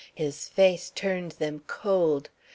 His face turned them cold.